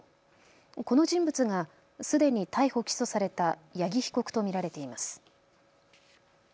この人物がすでに逮捕・起訴された八木被告と見られています。